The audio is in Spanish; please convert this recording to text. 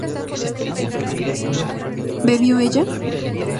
¿ bebió ella?